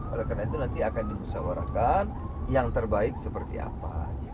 oleh karena itu nanti akan dimusyawarakan yang terbaik seperti apa